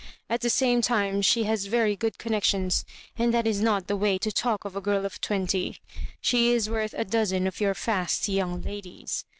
At the same time, she has very good connections ; and that is not the way to talk of a girl of twenty. She is worth a dozen of your fast young ladies."